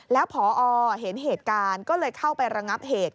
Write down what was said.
แล้วพอเห็นเหตุการณ์ก็เลยเข้าไประงับเหตุ